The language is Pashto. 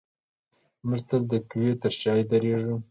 موږ تل د قوي تر شا درېږو.